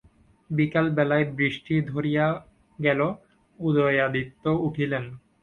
বিকালবেলায় বৃষ্টি ধরিয়া গেল, উদয়াদিত্য উঠিলেন।